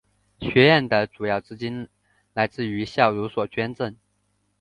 学院的主要资金来自于校友所捐赠。